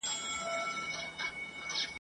وږې پيشي د زمري سره جنکېږي !.